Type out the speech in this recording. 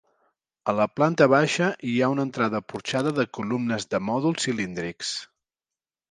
A la planta baixa hi ha una entrada porxada de columnes de mòduls cilíndrics.